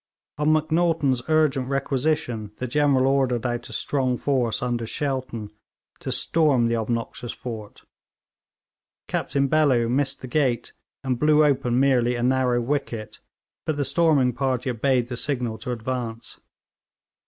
On Macnaghten's urgent requisition the General ordered out a strong force, under Shelton, to storm the obnoxious fort. Captain Bellew missed the gate, and blew open merely a narrow wicket, but the storming party obeyed the signal to advance.